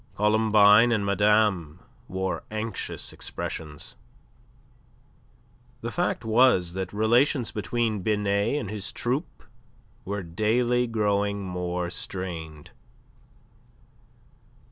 Columbine and Madame wore anxious expressions. The fact was that relations between Binet and his troupe were daily growing more strained.